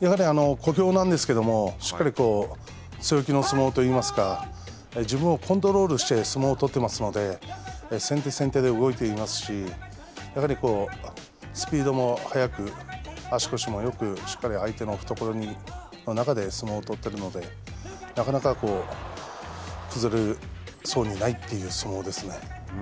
やはり小兵なんですけれども、しっかり強気の相撲といいますか自分をコントロールして相撲を取ってますので先手先手で動いていますし、やはりスピードも速く足腰もよくしっかり相手の懐に、その中で相撲を取ってるのでなかなか崩れそうにないという相撲ですね。